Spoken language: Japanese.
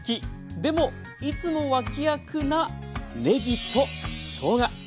でもいつも脇役なねぎとしょうが。